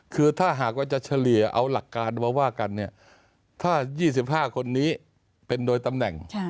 คือถ้าหากว่าจะเฉลี่ยเอาหลักการมาว่ากันเนี่ยถ้า๒๕คนนี้เป็นโดยตำแหน่ง